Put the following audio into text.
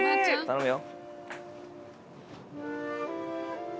頼むよ。